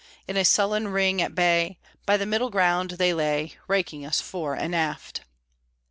In a sullen ring, at bay, By the Middle Ground they lay, Raking us fore and aft.